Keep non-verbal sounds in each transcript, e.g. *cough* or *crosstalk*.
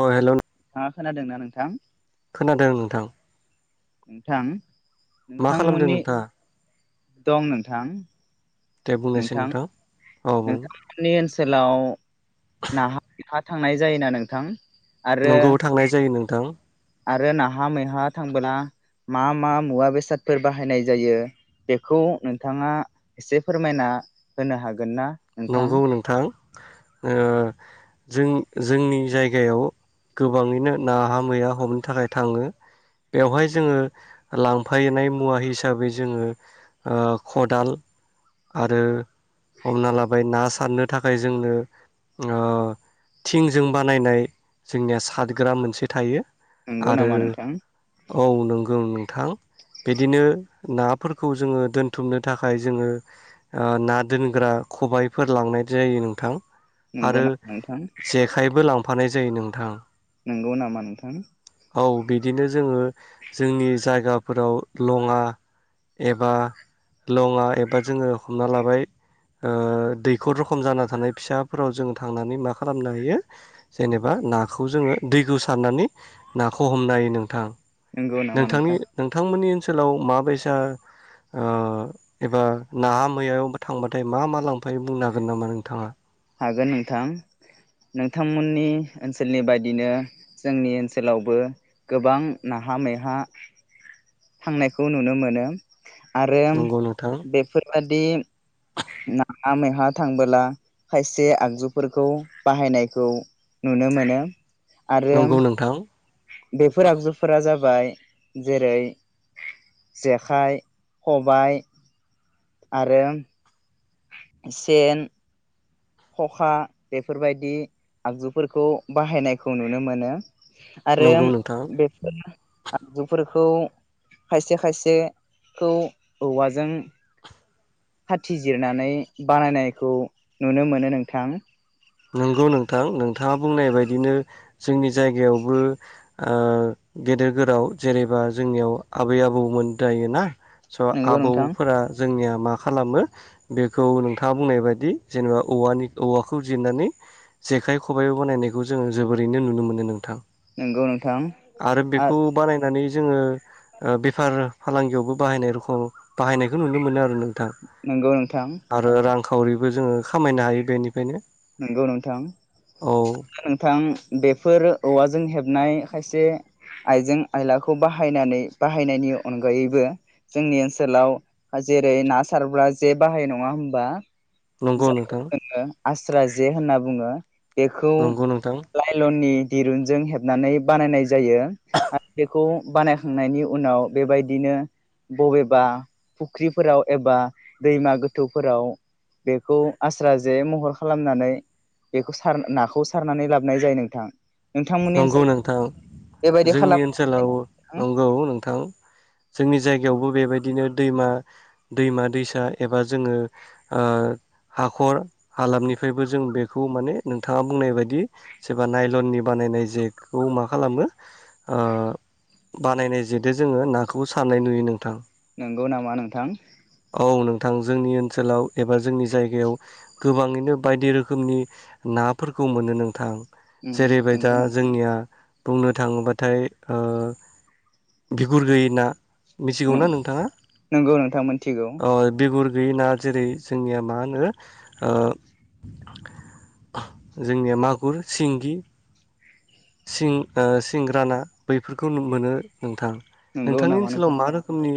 अ hello हा खोनादोंना नों नोंथां खोनादों नोंथां नोंथां मा खालामदों नोंथांमोननि नोंथाङा दं नोंथां दे बुंनायसाय नोंथां। औ बुं नोंथांमोननि ओनसोलाव नाहा मैहा थांनाय जायोना नोंथां आरो नंगौ थांनाय जायो नोंथां आरो नाहा मैहा थांबोना मा मा मुवा बेसादफोर बाहायनाय जायो बेखौ नोंथाङा एसे फोरमायना होनो हागोन- गोनना नंगौ नोंथां ओ जों जोंनि जायगायाव गोबाङैनो नाहा मैया हमनो थाखाय थाङो बेवहाय जोङो लांफाइनाय मुवा हिसाबै जोङो खदाल आरो हमना ला बाय ना सारनो थाखाय जोंनो ओ थिंजों बानायनाय जोंनिया सादग्रा मोनसे थायो नंगौ आरो नामा नोंथां औ नोंगौ नों थां बिदिनो नाफोरखौ जोङो दोनथुमनो थाखाय जोङो ओ ना दोनग्रा खबाइफोर लांनाय जायो नोंथां नंगौ आरो नामा नोंथां जेखाइबो लां फानाय जायो नोंथां नंगौ नामा नोंथां औ बिदिनो जोङो जोंनि जायगा फोराव लङा एबा लङा एबा जोङो हमना लाबाय ओ दैखर रखम जाना थानाय फिसाफोराव जोङो थांनानै मा खालामनो हायो जेनेबा नाखौ जोङो दैखौ सारनानै नाखौ हमनो हायो नोंथां नंगौ नामा नोंथांनि नोंथां नोंथांमोननि सोलाव माबायसा ओ एबा नाहा मैहायावबो थांब थाय मा मा लांफायो बुंनो हागोन नामा नोंथाङा हागोन नोंथां नोंथांमोननि ओनसोलनि बायदिनो जोंनि ओनसोलावबो गोबां नाहा मैहा थांनायखौ नुनो मोनो आरो नंगौ नोंथां बेफोर बादि नाहा मैहा थांबोला खायसे आगजुफोरखौ बाहायनायखौ नुनो मोनो आरो नंगौ नोंथां बेफोर आगजुफोरा जाबाय जेरै जेखाइ खबाय आरो सेन खखा बेफोरबायदि आगजुफोरखौ बाहायनायखौ नुनो मोनो आरो नंगौ नोंथां बे *unintelligible* आगजुफोरखौ खायसे खायसेखौ औवाजों खाथिजिरनानै बानायनायखौ नुनो मोनो नोंथां नंगौ नोंथां नोंथाङा बुंनाय बायदिनो जोंनि जायगायावबो ओ गेदेर गोराव जेरेबा जोंनियाव आबै आबौमोन जायोना स' नंगौ नोंथां आबौफोरा जोंनिया मा खालामो बेखौ नोंथाङा बुंनाय बायदि जेनेबा औनि औखौ जिरनानै जेखाइ खबाइबो बनायनायखौ जोङो जोबोरैनो नुनो मोनो नोंथां नंगौ नोंथां आरो बेखौ बानायनानै जोङो ओ बेफार फालांगियावबो बाहायनाय रख बाहायनायखौ नुनो मोनो आरो नों नोंगौ नोंथां खावरिबो जोङो खामायनो हायो बेनिफायनो नोंगौ नोंथां आंरो नोंथां बेफोर औवाजों हेब नाय खायसे आइजें आयलाखौ बाहायनानै बाहायनायनि अनगायैबो जोंनि ओनसोलाव जेरै ना सारग्रा जे बाहायो नङा होमबा नंगौ नोंथां स्रा जे होनना बुङो बेखौ नंगौ नोंथां लाइलननि दिरुनजों हेबनानै बानायनाय जायो आरो बेखौ बानायखांनायनि उनाव बेबायदिनो बबेबा फुख्रिफोराव एबा दैमा गोथौफोराव बेखौ आस्रा जे महर खालामनानै बेखौ सार नाखौ सारनानै लाबोनाय जायो नोंथां नोंथांमोननि नंगौ ओनसोलाव नोंथां बेबायदि जोंनि खालाम ओनसोलाव नंगौ नोंथां जोंनि जायगायावबो बेबायदि दिनो दैमा दैमा दैसा एबा जोङो ओ हाखर हालामनिफ्रायबो जों बेखौ माने नोंथाङा बुंनाय बायदि सोरबा नायलननि बानायनाय जेखौ मा खालामो ओ बानायनाय जेदो जोङो नाखौ सान्नाय नुयो नोंथां नंगौ नामा नोंथां औ नोंथां जोंनि ओनसोलाव एबा जोंनि जायगायाव गोबाङैनो बायदि रोखोमनि नाफोरखौ मोनो नोंथां जेरैबाय उम दा नंगौ नोंथां जोंनिया बुंनो थाङोब्लाथाय ओ बिगुर गैयि ना मिथिगौ ना नोंथाङा नंगौ नोंथां मोनथिगौ अ बिगुर गैयिना जेरै जोंनिया मा होनो ओ जोंनिया मागुर सिंगि सिं सिंग्रा ना बैफोरखौ मोनो नोंथां नंगौ नोंथांनि नामा नोंथां ओनसोलाव मा रोखोमनि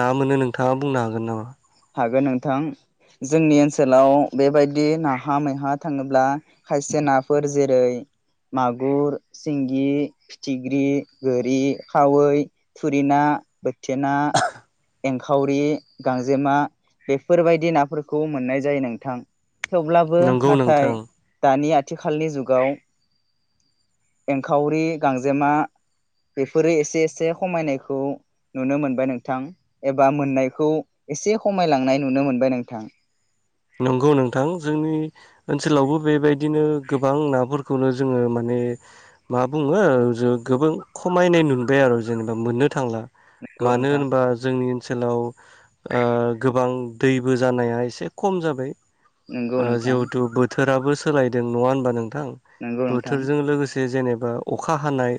ना मोनो नोंथाङा बुंनो हागोन नामा हागोन नोंथां जोंनि ओनसोलाव बेबायदि नाहा मैहा थाङोब्ला खायसे नाफोर जेरै मागुर सिंगि फिथिख्रि गोरि खावै थुरि ना थिना एंखावरि गां जेमा बेफोरबायदि नाफोरखौ मोननाय जायो नोंथां थेवब्लाबो नंगौ नाथाय नोंथां दानि आथिखालनि जुगाव एंखावरि गांजेमा बेफोरो एसे एसे खमायनायखौ नुनो मोनबाय नोंथां एबा मोननायखौ एसे खमायलांनाय नुनो मोनबाय नोंथां नंगौ नोंथां जोंनि ओनसोलावबो बेबायदिनो गोबां नाफोरखौनो जोङो माने मा बुङो ज गोबां खमायनाय नुबाय आरो जेनेबा मोननो थांला नंगौ मानो नोंथां होनबा जोंनि ओनसोलाव गोबां दैबो जानाया एसे खम जाबाय नंगौ नोंथां जिहेथु बोथोर फोराबो सोलायदों नङा होनबा नोंथां नंगौ नोंथां बोथोरजों लोगोसे जेनेबा बा अखा हानाय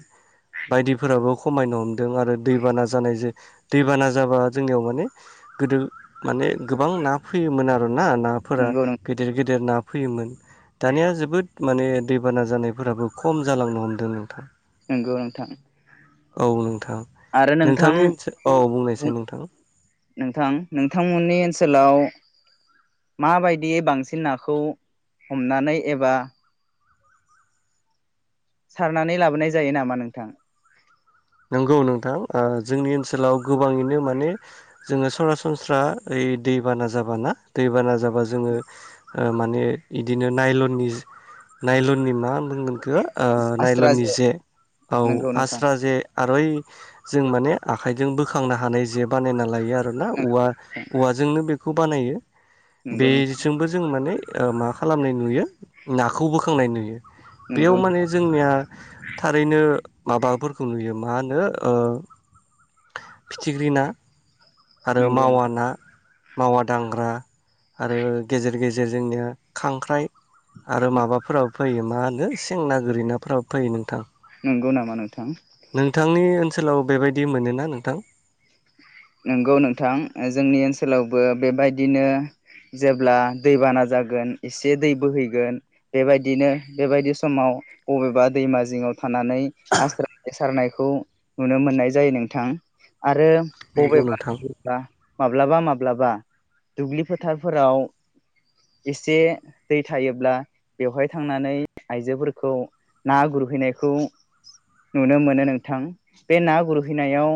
बायदिफोराबो खमायनो हमदों आरो दैबाना जानाय जों दैबाना जाबा जोंनियाव माने गोदो माने गोबां ना फैयोमोन आरो ना नाफोरा नंगौ गिदिर गिदिर ना फैयोमोन दानिया जोबोद माने दैबाना जानायफोराबो खम जालांनो हमदों नोंथां नोंगौ नोंथां औ औ नोंथां आरो नोंथां नोंथांनि ओनसोल बुंनायसै नोंथां नोंथां नोंथांमोननि ओनसोलाव माबायदियै बांसिन नाखौ हमनानै एबा सारनानै लाबोनाय जायो नामा नोंथां नंगौ नोंथां जोंनि ओनसोलाव गोबाङैनो माने जोङो सरासनस्रा ओइ दैबाना जाबाना दैबाना जाबा जोङो माने इदिनो नायलननि नायलननि मा होनना बुंगोन नायल'ननि जे औ नंगौ नोंथां आस्रा जे आरो ओइ जों माने आखाइजों बोखांनो हानाय जे बानायना लायो आरोना औवा औवाजोंनो बेखौ खौ बानायो नंगौ नोंथां बेजोंबो जों माने मा खालामनाय नुयो नाखौ बोखांनाय नुयो बेयाव नंगौ माने नोंथां जोंनिया थारैनो माबाफोरखौ नुयो मा होनो फिथिख्रि ना आरो नंगौ मावा नोंथां ना मावा दांग्रा आरो गेजेर गेजेर जोंनिया खांख्राइ आरो माबाफोराव फैयो मा होनो सेंना गोरिनाफोराबो फैयो नोंथां नंगौ नामा नोंथां नोंथांनि ओनसोलाव बेबायदि मोनोना नोंथां नंगौ नोंथां जोंनि ओनसोलावबो बेबायदिनो जेब्ला दैबाना जागोन एसे दै बोहैगोन बेबायदिनो बेबायदि समाव बबेबा दैमा जिङाव थानानै आस्रा जे सारनायखौ नुनो मोननाय जायो नोंथां आरो नंगौ नोंथां बबेबा माब्लाबा माब्लाबा दुब्लि फोथारफोराव एसे दै थायोब्ला बेवहाय थांनानै आइजोफोरखौ ना गुरहैनायखौ नुनो मोनो नोंथां बे ना गुरहैनायाव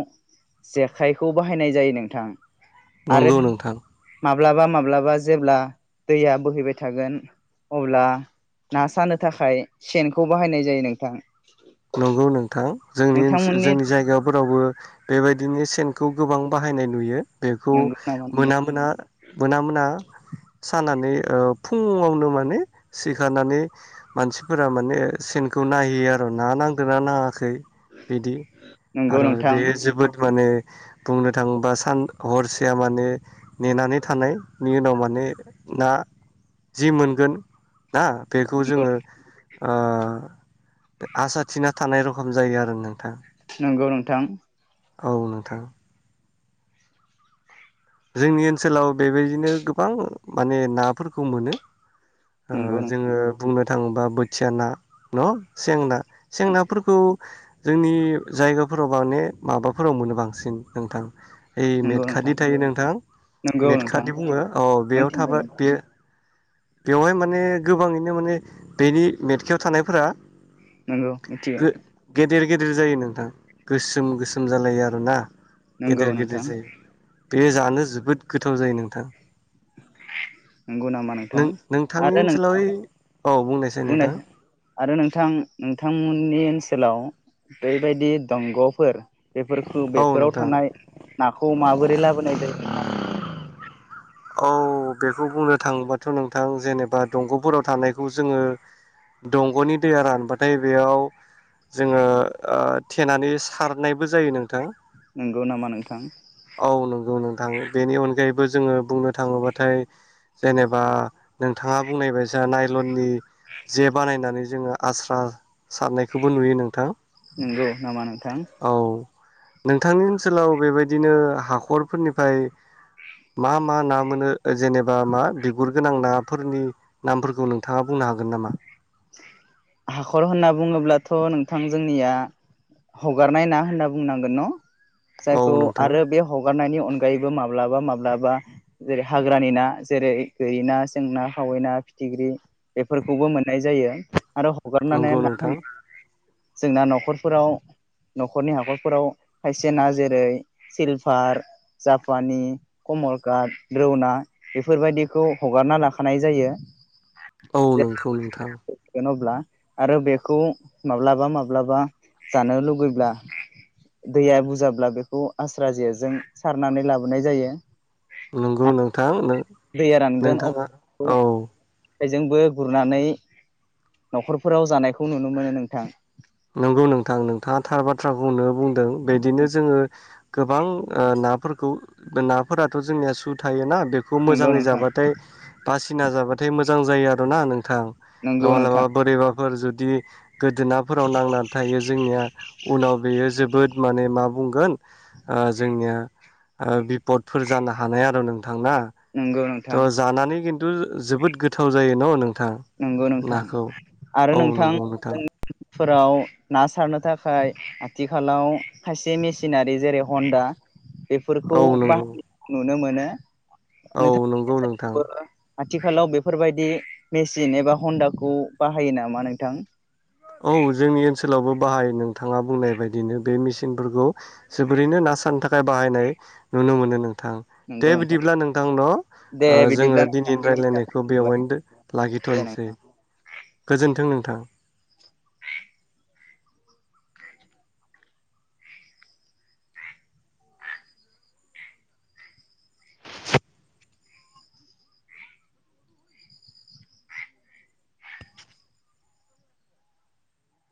जे खायखौ बाहायनाय जायो नोंथां आरो नंगौ नोंथां माब्लाबा माब्लाबा जेब्ला दैया बोहैबाय थागोन अब्ला ना सानो थाखाय सेनखौ बाहायनाय जायो नोंथां नंगौ नोंथां थां जोंनि ओन नोंथांमोननि जोंनि जायगाफोरावबो बेबायदिनो सेन खौ गोबां बाहायनाय नुयो बेखौ नंगौ नामा नोंथां मोना मोना मोना मोना सानानानै ओ फुङावनो माने सिखारनानै मानसिफोरा माने सेनखौ नायहैयो आरो ना नांदोंना नाङाखै बिदि नंगौ आरो नोंथां बेयो जोबोद माने बुंनो थाङोबा सान हरसेया माने नेनानै थानायनि उनाव माने ना जि मोनगोन ना बेखौ नंगौ जोङो ओ आसा थिना थानाय रखम जायो आरो नोंथां नंगौ नोंथां औ नोंथां जोंनि ओनसोलाव बेबायदिनो गोबां माने नाफोरखौ मोनो ओ नंगौ नोंथां जोङो बुंनो थाङोबा बोथिया ना न' सेंना सेंनाफोरखौ जोंनि जायगाफोराव माने माबाफोराव मोनो बांसिन नोंथां ओइ मेट नंगौ खाथि नोंथां थायो नों थां नंगौ नोंथां मेटखाथि बुङो अ बेयाव मोनथिगौ थाबा नोंथां बेयो बेवहाय माने गोबाङैनो माने बेनि मेटखायाव थानायफोरा नंगौ मिथियो नोंथां गिदिर जायो नोंथां गोसोम गोसोम जालायो आरोना नंगौ नोंथां बे जानो जोबोद गोथाव जायो नोंथां नंगौ नामा नोंथां नों नोंथांनि आरो ओनसोलाव ओइ औ बुंनायसै नोंथां बुंनाय आरो नोंथां नोंथांमोननि ओ ओनसोलाव बैबायदि दंग'फोर बेफोरखौ औ बेफोराव नोंथां थानाय ना खौ माबोरै लाबोनाय जायो नोंथां औ बेखौ बुंनो थाङोबाथ' नोंथां जेनेबा दंग'फोराव थानायखौ जोङो दंग'नि दैया रानबाथाय बेयाव जोङो ओ थेनानै सारनाय नंगौ नामा नोंथां औ नंगौ नोंथां बेनि अनगायैबो जोङो बुंनो थाङोबाथाय जेनेबा नोंथाङा बुंनाय बाय नायलननि जे बानायनानै जोङो आस्रा सारनायखौबो नुयो नोंथां नंगौ नामा नोंथां औ नोंथांनि ओनसोलाव बेबाय बिदिनो हाखरफोरनिफ्राय मा मा ना मोनो? जेनेबा मा बिगुर गोनां ना। फोरनि नामफोरखौ नोंथाङा बुंनो हागोन नामा? हाखर होनना बुङोब्लाथ' नोंथां जोंनिया हगारनाय ना होनना बुंनांगोन न'? औ जायखौ नोंथां आरो बे हगारनायनि अनगा आगायैबो माब्लाबा माब्लाबा जेरै हाग्रानि ना जेरै गोरि ना सें ना खावै ना फिथिख्रि बेफोरखौबो मोन नाय जायो। आरो हगारनानै नंगौ ना नोंथां *unintelligible* जोंना न'खरफोराव न'खरनि हाखरफोराव खायसेना जेरै सिलभार जापानि कमलकाट रन ना बेफोरबायदिखौ हगारना लाखानाय जायो। औ नोंखौ नों नोंथां अब्ला आरो बेखौ माब्लाबा माब्लाबा जानो लुबैब्ला दैया बुरजाब्ला बेखौ आस्रा जेजों सारनानै लाबोनाय जायो। नंगौ नोंथां। दैया रानगोन नोंथाङा अब्ला औ जेखाइजोंबो गुरनानै न'खरफोराव जानायखौ नुनो मोनो नोंथां नंगौ नोंथां नोंथाङा थार बाथ्राखौनो बुंदों बिदिनो जोङो गोबां नाफोरखौ नाफोराथ' जोंनिया सु थायोना। बेखौ नंगौ मोजाङै नोंथां जाबाथाय बासिना जाबाथाय मोजां जायो आरोना नोंथां? थां नंगौ नङाब्लाबा नोंथां बोरैबा फोर जुदि गोदोनि फोराव नांनानै थायो जोंनिया उनाव बेयो जोबोद माने मा बुंगोन ओ जोंनिया ओ बिपदफोर जानो हानाय आरो नों थांना नंगौ नोंथां थ' जानानै खिनथु खिनथु जोबोद गोथाव जायो न' नों नंगौ नोंथां आरो औ नोंथां नंगौ फोराव ना सारनो थाखाय आथिखालाव खायसे मेसिनारि जेरै हन्दा बेफोरखौ बाहाय नुयो नुनो मोनो औ नंगौ नंगौ। नोंथां *inaudible* आथिखालाव बेफोरबायदि मेचिन एबा हन्दाखौ बाहायो नामा नोंथां औ जोंनि ओनसोलावबो बाहाय नोंथाङा बुंनाय बायदिनो बे मेसिनफोरखौ जोबोरैनो ना सानथा बाहायनाय नुनो मोनो नों थां दे बिदिब्ला नोंथां न' दे ओ जोङो बिदिब्ला दिनै नोंथां दिनैनि थाखाय रायलायनायखौ दोनथ'बाय बेवहायनो दे लागिथ'सै नोंथां गोजोन्थों नों थां